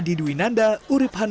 selamat berbuka puasa